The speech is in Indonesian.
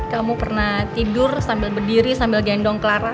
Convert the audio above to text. kamu pernah tidur sambil berdiri sambil gendong clara